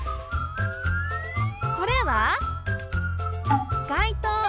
これは外灯。